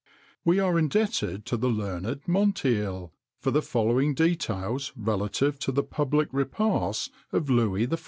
[XXIX 94] We are indebted to the learned Monteil for the following details relative to the public repasts of Louis XIV.